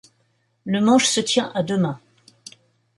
Le manche se tient à deux mains.